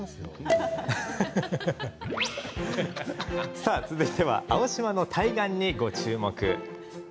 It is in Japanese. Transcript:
さあ、続いては青島の対岸にご注目。